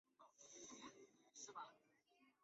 构成集合的事物或对象称作元素或是成员。